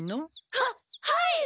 はっはい！